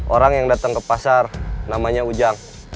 orang yang datang ke pasar namanya ujang